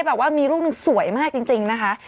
แบบว่ามีรูปหนึ่งสวยมากจริงนะคะ